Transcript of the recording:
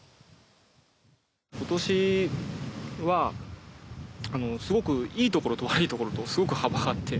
今年はすごくいいところと悪いところとすごく幅があって。